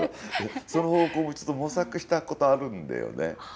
その方向、一度模索したことあるんだよね。